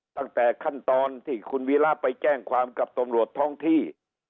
ตั้งแต่ขั้นตอนที่คุณวีระไปแจ้งความกับตำรวจท้องที่